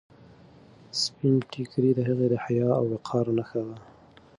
سپین ټیکری د هغې د حیا او وقار نښه وه.